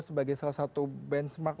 sebagai salah satu benchmark